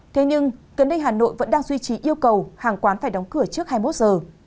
thế nhưng gần đây hà nội vẫn đang duy trì yêu cầu hàng quán phải đóng cửa trước hai mươi một giờ